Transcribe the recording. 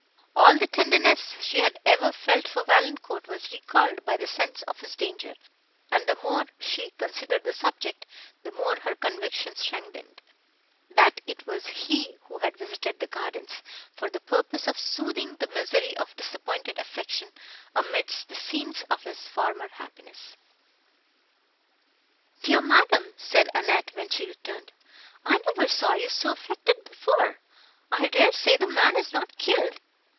All the tenderness she had ever felt for Valancourt, was recalled by the sense of his danger; and the more she considered the subject, the more her conviction strengthened, that it was he, who had visited the gardens, for the purpose of soothing the misery of disappointed affection, amidst the scenes of his former happiness. "Dear madam," said Annette, when she returned, "I never saw you so affected before! I dare say the man is not killed."